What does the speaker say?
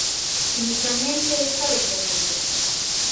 Inicialmente esta de Clemente.